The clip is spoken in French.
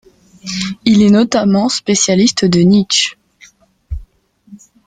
Il est notamment spécialiste de Nietzsche.